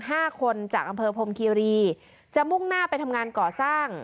ห้าคนจากอำเภอพรมคีรีจะมุ่งหน้าไปทำงานก่อสร้าง